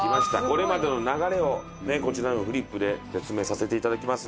これまでの流れをこちらのフリップで説明させて頂きます。